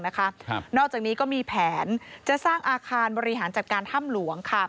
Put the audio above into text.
นอกจากนี้ก็มีแผนจะสร้างอาคารบริหารจัดการถ้ำหลวง